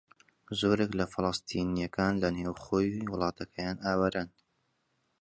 زۆرێک لە فەلەستینییەکان لە نێوخۆی وڵاتەکەیان ئاوارەن.